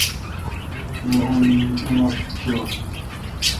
یہ او نتھ چوی۔